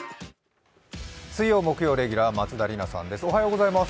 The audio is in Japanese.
水曜・木曜レギュラー松田里奈さんです。